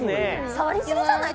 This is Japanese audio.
触り過ぎじゃない？